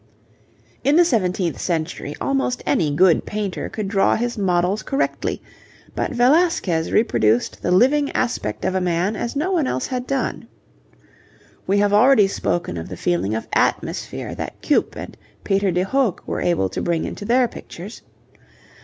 In the seventeenth century almost any good painter could draw his models correctly, but Velasquez reproduced the living aspect of a man as no one else had done. We have already spoken of the feeling of atmosphere that Cuyp and Peter de Hoogh were able to bring into their pictures.